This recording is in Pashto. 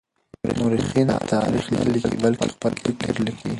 مورخين تاريخ نه ليکي بلکې خپل فکر ليکي.